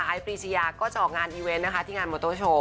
ไอ้ปรีเชียก็จะออกงานอีเว้นที่งานมอโต้โชว์